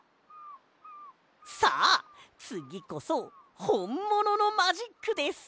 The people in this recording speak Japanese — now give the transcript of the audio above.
さあつぎこそほんもののマジックです！